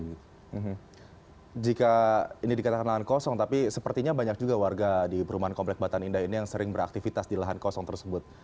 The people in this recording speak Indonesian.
jadi jika ini dikatakan lahan kosong tapi sepertinya banyak juga warga di perumahan komplek batan indah ini yang sering beraktifitas di lahan kosong tersebut